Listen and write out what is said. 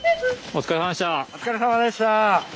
お疲れさまでした。